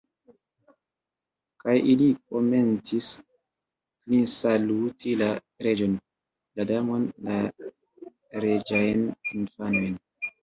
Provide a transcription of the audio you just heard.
Kaj ili komencis klinsaluti la Reĝon, la Damon, la reĝajn infanojn.